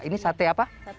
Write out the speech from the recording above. ini sate apa